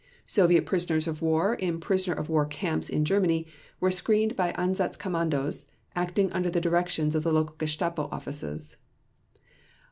Soviet prisoners of war in prisoner of war camps in Germany were screened by Einsatz Kommandos acting under the directions of the local Gestapo offices.